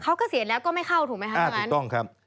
เขาก็เสียแล้วก็ไม่เข้าถูกไหมครับถูกต้องครับ